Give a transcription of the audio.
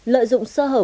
lợi dụng sơ hở